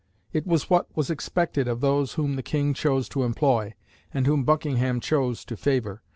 It was what was expected of those whom the King chose to employ, and whom Buckingham chose to favour.